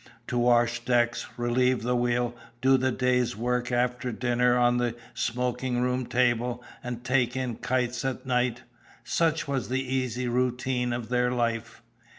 To wash decks, relieve the wheel, do the day's work after dinner on the smoking room table, and take in kites at night, such was the easy routine of their life.